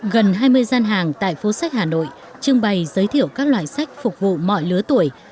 gần hai mươi gian hàng tại phố sách hà nội trưng bày giới thiệu các loại sách phục vụ mọi lứa tuổi